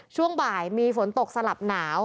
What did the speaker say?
ช่วงบ่ายมีฝนตกสลับหนาว